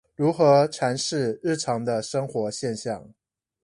如何闡釋日常的生活現象